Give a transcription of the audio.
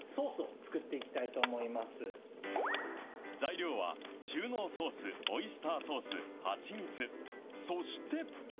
材料は中濃ソース、オイスターソース、蜂蜜、そして。